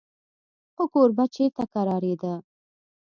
خو کوربه چېرته کرارېده.